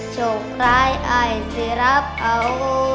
โชคร้ายอายสิรับเอา